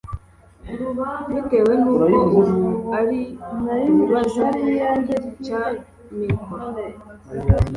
bitewe nuko ubu ari mu kibazo cy’amikoro